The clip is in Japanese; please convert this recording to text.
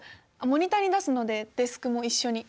モニターに出すのでデスクも一緒に。